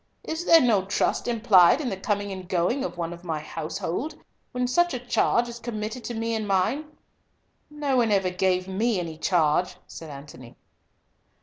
Is there no trust implied in the coming and going of one of my household, when such a charge is committed to me and mine?" "No one ever gave me any charge," said Antony.